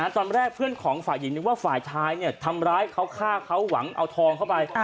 ตอนแรกเพื่อนของฝ่ายหญิงนึกว่าฝ่ายชายทำร้ายเขาฆ่าเขาหวังเอาทองเข้าไป